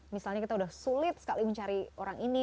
misalnya kita sudah sulit sekali mencari orang ini